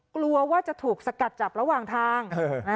กลัวว่าจะถูกสกัดจับระหว่างทาง